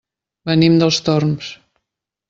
Venim dels Torms.